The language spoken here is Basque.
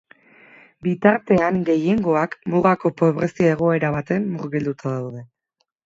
Bitartean, gehiengoak mugako pobrezia egora baten murgilduta daude.